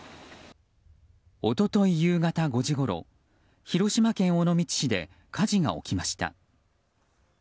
一昨日夕方５時ごろ広島県尾道市で火事が起きました。